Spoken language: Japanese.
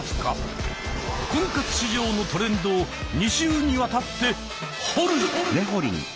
婚活市場のトレンドを２週にわたって掘る！